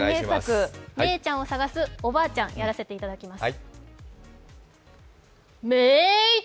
メイちゃんを探すおばあちゃんやらせていただきます。